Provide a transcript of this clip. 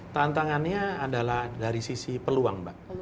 tantangannya adalah dari sisi peluang mbak